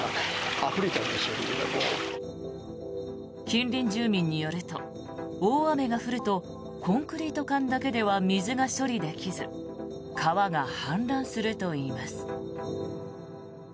近隣住民によると大雨が降るとコンクリート管だけでは水が処理できず川が氾濫するといいます。